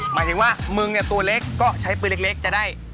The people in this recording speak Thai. หมายถึงว่ามึงเนี่ยตัวเล็กก็ใช้ปืนเล็กจะได้